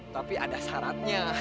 tapi ada syaratnya